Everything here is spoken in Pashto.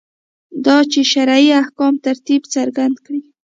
دا چې شرعي احکامو ترتیب څرګند کړي.